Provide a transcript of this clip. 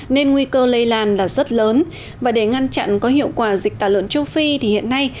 nên nguy cơ lây lan là rất lớn và để ngăn chặn có hiệu quả dịch tả lợn châu phi thì hiện nay